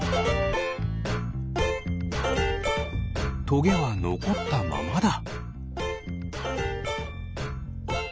トゲはのこったままだ。